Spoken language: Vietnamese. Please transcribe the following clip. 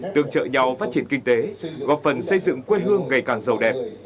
tương trợ nhau phát triển kinh tế góp phần xây dựng quê hương ngày càng giàu đẹp